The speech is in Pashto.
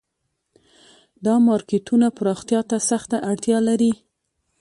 دا مارکیټونه پراختیا ته سخته اړتیا لري